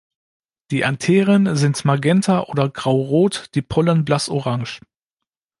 Die Antheren sind magenta oder grau-rot, die Pollen blass-orange.